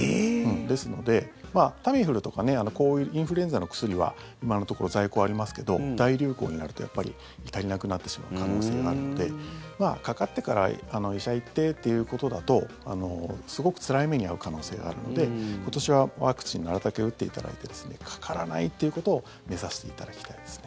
ですので、タミフルとかこういうインフルエンザの薬は今のところ在庫ありますけど大流行になるとやっぱり足りなくなってしまう可能性があるのでかかってから医者行ってっていうことだとすごくつらい目に遭う可能性があるので今年はワクチンなるたけ打っていただいてですねかからないっていうことを目指していただきたいですね。